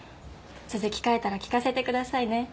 続き書いたら聞かせてくださいね。